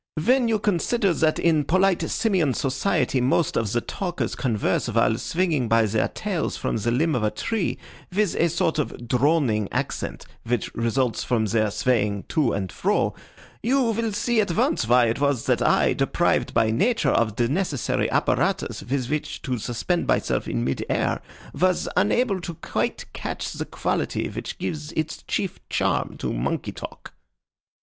When you consider that in polite Simian society most of the talkers converse while swinging by their tails from the limb of a tree, with a sort of droning accent, which results from their swaying to and fro, you will see at once why it was that I, deprived by nature of the necessary apparatus with which to suspend myself in mid air, was unable to quite catch the quality which gives its chief charm to monkey talk."